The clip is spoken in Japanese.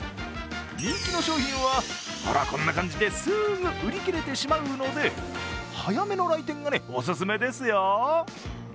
人気の商品は、ほらこんな感じですぐ売り切れてしまうので早めの来店がね、オススメですよ